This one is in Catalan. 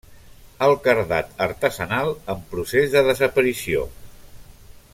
El cardat artesanal en procés de desaparició.